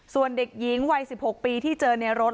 ส่วนเด็กหญิงวัย๑๖ปีที่เจอในรถ